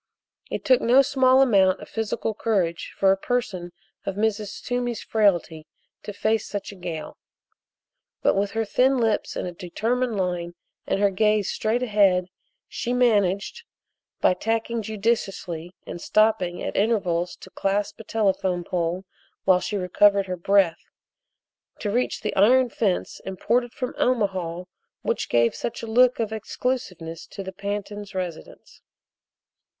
It took no small amount of physical courage for a person of Mrs. Toomey's frailty to face such a gale. But with her thin lips in a determined line and her gaze straight ahead, she managed, by tacking judiciously and stopping at intervals to clasp a telephone pole while she recovered her breath, to reach the iron fence imported from Omaha which gave such a look of exclusiveness to the Pantins' residence.